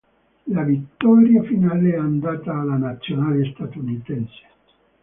La vittoria finale è andata alla nazionale statunitense.